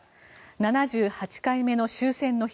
７８回目の終戦の日。